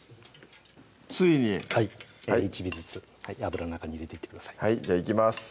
ついにはい１尾ずつ油の中に入れていってくださいじゃあいきます